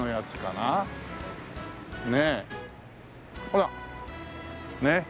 ほらねえ。